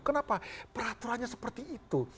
kenapa peraturannya seperti itu